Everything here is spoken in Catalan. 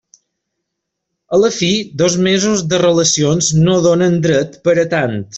A la fi, dos mesos de relacions no donen dret per a tant.